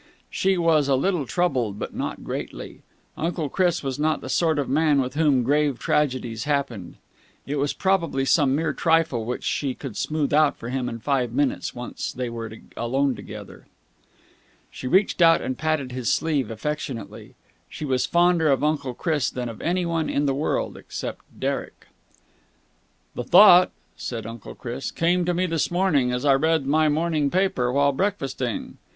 She was a little troubled, but not greatly. Uncle Chris was not the sort of man to whom grave tragedies happened. It was probably some mere trifle which she could smooth out for him in five minutes, once they were alone together. She reached out and patted his sleeve affectionately. She was fonder of Uncle Chris than of anyone in the world except Derek. "The thought," said Uncle Chris, "came to me this morning, as I read my morning paper while breakfasting.